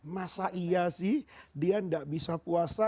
masa iya sih dia tidak bisa puasa